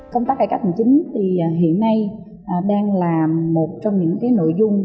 công tác cải cách hành chính thì hiện nay đang là một trong những nội dung